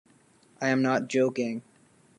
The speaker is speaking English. I am not joking.